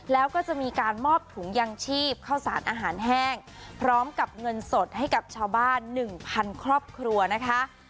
แล้วก็จะมีการมอบถุงยางชีพเข้าสารอาหารแห้งพร้อมกับเงินสดให้กับชาวบ้าน๑๐๐ครอบครัวนะคะ